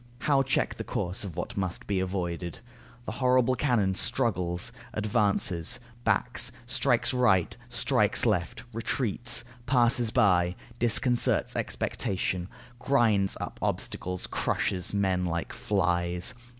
How check the course of what must be avoided? The horrible cannon struggles, advances, backs, strikes right, strikes left, retreats, passes by, disconcerts expectation, grinds up obstacles, crushes men like flies.